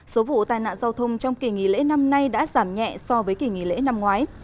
số vụ tai nạn giao thông trong kỳ nghỉ lễ năm nay đã giảm nhẹ so với kỳ nghỉ lễ năm ngoái